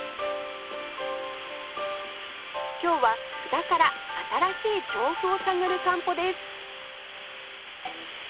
今日は布田から新しい調布を探る散歩です